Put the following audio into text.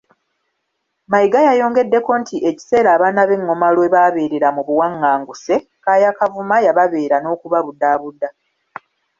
Mayiga yayongeddeko nti ekiseera abaana b’engoma lwebaaberera mu buwanganguse, Kaaya Kavuma yababeera n'okubabudaabuda.